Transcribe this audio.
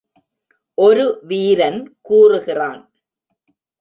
ஒரு வீரன் கூறுகிறான்.